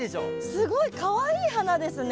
すごいかわいい花ですね。